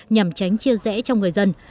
nhằm tránh chia rẽ trong người dân